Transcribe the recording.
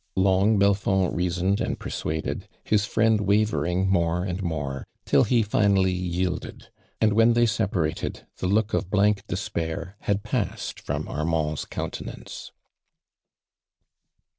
Long Belfond reasoned and persuaded, Ills friend wavering more and more, till ho 1 finally yielded, and when they separated I the look of blank desjmir had passed from I Armand's countenance.